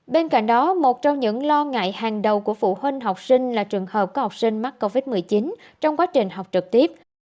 bên cạnh đó một trong những lo ngại hàng đầu của phụ huynh học sinh là trường hợp có học sinh mắc covid một mươi chín trong quá trình học trực tiếp